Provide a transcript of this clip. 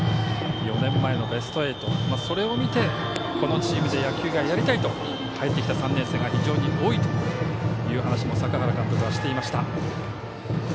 ４年前のベスト８それを見て、このチームで野球がやりたいと入ってきた３年生が非常に多いという話も坂原監督はしていました。